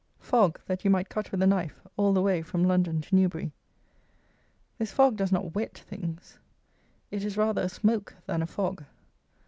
_ Fog that you might cut with a knife all the way from London to Newbury. This fog does not wet things. It is rather a smoke than a fog.